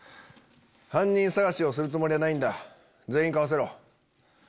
犯人捜しをするつもりはないんだ全員顔伏せろ。